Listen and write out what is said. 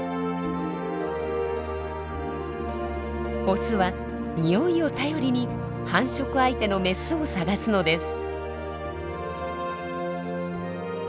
オスは匂いを頼りに繁殖相手のメスを探すのです。